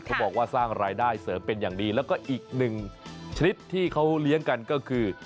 บอกว่าสร้างรายได้เสริมเป็นอย่างดีแล้วก็อีกหนึ่งชนิดที่เขาเลี้ยงกันก็คือ